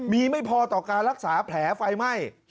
มีไม่พอต่อการรักษาแผลไฟไหม้